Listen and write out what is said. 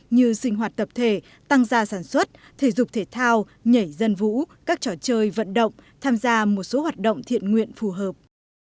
như sinh hoạt tập thể tăng gia sản xuất thể dục thể thao nhảy dân vũ các trò chơi vận động tham gia một số hoạt động thiện nguyện phù hợp